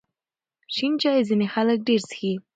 شین چای ځینې خلک ډېر څښي.